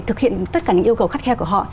thực hiện tất cả những yêu cầu khắt khe của họ